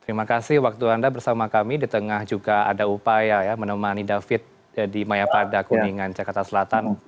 terima kasih waktu anda bersama kami di tengah juga ada upaya ya menemani david di mayapada kuningan jakarta selatan